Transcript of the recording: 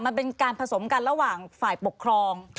อีกหนึ่งของเป็นการผสมกันระหว่างฝ่ายปกครอง